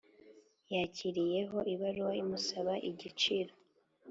yakiriyeho ibaruwa imusaba igiciro